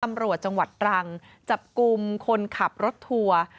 ตำรวจจังหวัดตรังจับกลุ่มคนขับรถทัวร์